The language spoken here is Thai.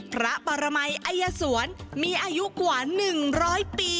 พระประหมายอย่าสวนมีอายุกว่าหนึ่งร้อยปี